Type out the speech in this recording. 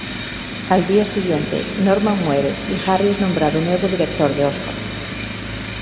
Al día siguiente, Norman muere y Harry es nombrado nuevo director de Oscorp.